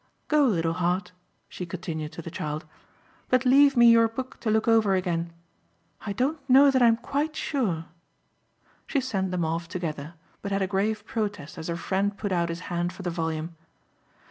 Go, little heart," she continued to the child, "but leave me your book to look over again. I don't know that I'm quite sure!" She sent them off together, but had a grave protest as her friend put out his hand for the volume.